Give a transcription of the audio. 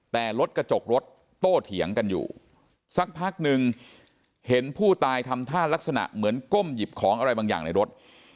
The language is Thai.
แต่รถกระจกรถโตเถียงกันอยู่สักพักนึงเห็นผู้ตายทำท่ารักษณะเหมือนก้มหยิบของอะไรบางอย่างในรถ